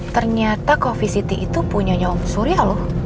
ternyata coffee city itu punya nyawam surya loh